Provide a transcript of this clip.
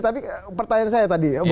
tapi pertanyaan saya tadi